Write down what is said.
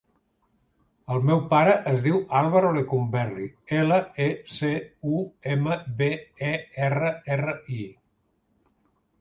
El meu pare es diu Álvaro Lecumberri: ela, e, ce, u, ema, be, e, erra, erra, i.